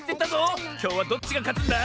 きょうはどっちがかつんだ？